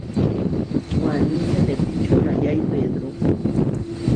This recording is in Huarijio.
Waní senepí čonayái pedro.